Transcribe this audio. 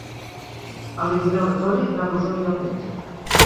El vint-i-nou de febrer na Rosó irà al metge.